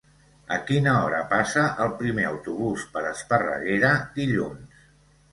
A quina hora passa el primer autobús per Esparreguera dilluns?